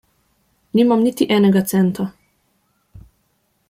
Nimam niti enega centa.